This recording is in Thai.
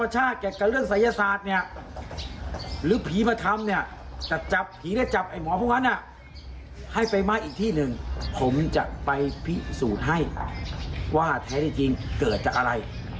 จะไปพิสูจน์ให้ว่าแท้จริงเกิดจากอะไร